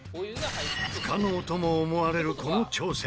不可能とも思われるこの挑戦。